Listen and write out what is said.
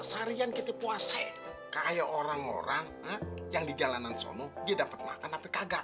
seharian kita puasa kayak orang orang yang di jalanan sono dia dapat makan tapi gagal